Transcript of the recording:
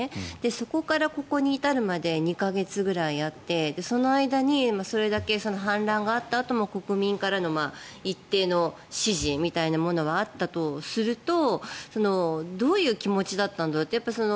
そこからここに至るまで２か月ぐらいあってその間にそれだけ反乱があったあとも国民からの一定の支持みたいなものはあったとするとどういう気持ちだったんだろう。